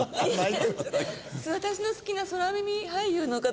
私の好きな空耳俳優の方たちが。